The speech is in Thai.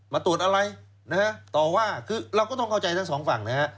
มาตรวจอะไรนะฮะต่อว่าคือเราก็ต้องเข้าใจทั้งสองฝั่งนะฮะ